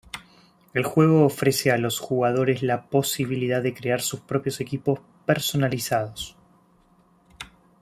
El juego ofrece a los jugadores la posibilidad de crear sus propios equipos personalizados.